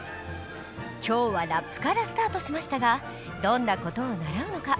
今日はラップからスタートしましたがどんな事を習うのか？